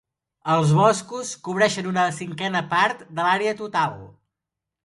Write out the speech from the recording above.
Els boscos cobreixen una cinquena part de l'àrea total.